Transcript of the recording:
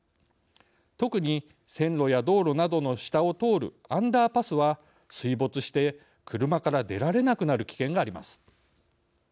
特に線路や道路などの下を通るアンダーパスは水没して、車から出られなくなる危険があります。